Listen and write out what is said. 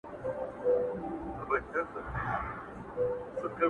يوه ورځ يې كړ هوسۍ پسي آس پونده!!